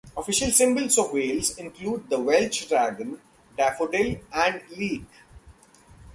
Official symbols of Wales include the Welsh Dragon, daffodil and leek.